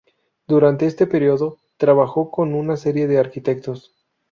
Durante este período, trabajó con una serie de arquitectos.